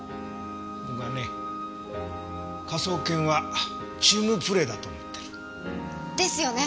僕はね科捜研はチームプレーだと思ってる。ですよね！